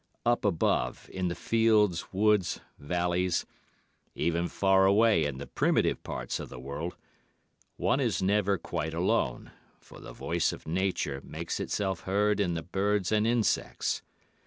Up above, in the fields, woods, valleys, even far away in the primitive parts of the world, one is never quite alone, for the voice of Nature makes itself heard in the birds and insects.